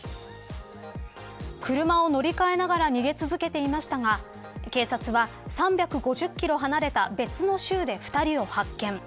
車を乗り換えながら逃げ続けていましたが警察は３５０キロ離れた別の州で２人を発見。